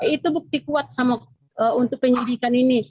itu bukti kuat untuk penyidikan ini